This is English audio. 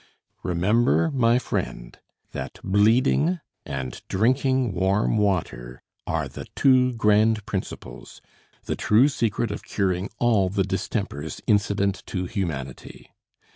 Remember, my friend, that bleeding and drinking warm water are the two grand principles the true secret of curing all the distempers incident to humanity.